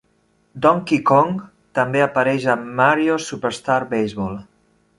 Donkey Kong també apareix a "Mario Superstar Baseball".